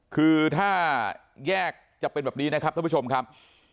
คือถ้าแยกจะเป็นแบบนี้นะครับท่านผู้ชมครับ